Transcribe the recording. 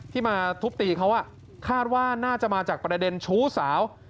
มาทุบตีเขาคาดว่าน่าจะมาจากประเด็นชู้สาว